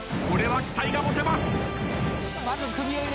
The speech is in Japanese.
これは期待が持てます。